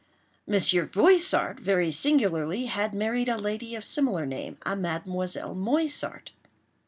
Monsieur Voissart, very singularly, had married a lady of similar name—a Mademoiselle Moissart.